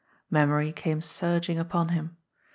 Memory came surging upon him.